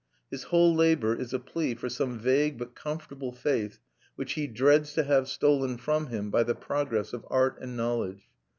His whole labour is a plea for some vague but comfortable faith which he dreads to have stolen from him by the progress of art and knowledge.